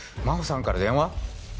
真帆さんから電話⁉